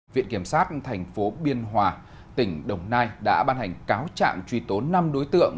viện kiểm sát thành phố biên hòa tỉnh đồng nai đã ban hành cáo trạng truy tố năm đối tượng